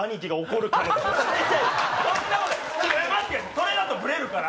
それだとブレるから！